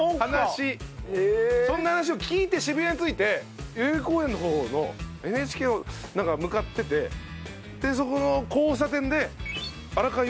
そんな話を聞いて渋谷に着いて代々木公園の方のＮＨＫホールなんか向かっててそこの交差点で。